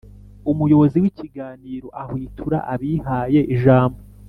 umuyobozi w’ikiganiro ahwitura abihaye ijambo